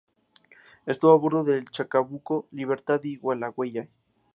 Estuvo a bordo del "Chacabuco", "Libertad" y "Gualeguay".